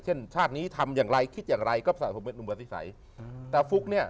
เช่นชาตินี้ทำอย่างไรคิดอย่างไรก็สะสมเป็นนิสัยอืมแต่ฟุ๊กเนี่ย